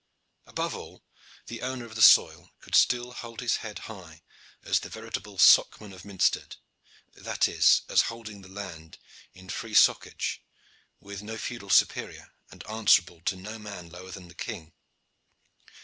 Above all, the owner of the soil could still hold his head high as the veritable Socman of Minstead that is, as holding the land in free socage, with no feudal superior, and answerable to no man lower than the king.